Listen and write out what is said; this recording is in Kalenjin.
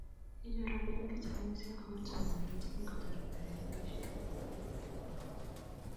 Kinyor robinik chechang missing kobun serkalit ye kingotar koyoei boisiet